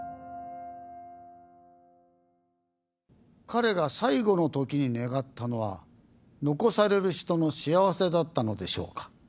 彼が最期のときに願ったのは残される人の幸せだったのでしょうか。